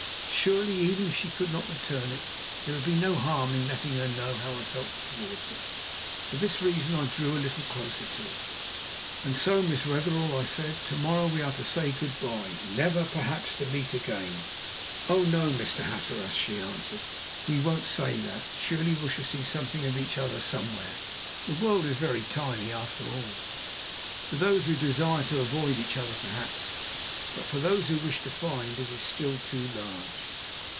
Surely, even if she could not return it, there would be no harm in letting her know how I felt towards her. For this reason I drew a little closer to her. "And so. Miss Wetherell," I said, "to morrow we are to say good bye; never, perhaps, to meet again." "Oh, no, Mr. Hatteras," she answered, "we won't say that. Surely we shall see something of each other somewhere. The world is very tiny after all." "To those who desire to avoid each other, perhaps, but for those who wish to find it is still too large."